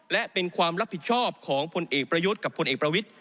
และเป็นความรับผิดชอบของพลเอกประยุทธ์กับพลเอกประวิทธิ